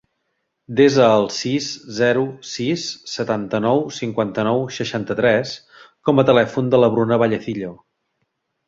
Desa el sis, zero, sis, setanta-nou, cinquanta-nou, seixanta-tres com a telèfon de la Bruna Vallecillo.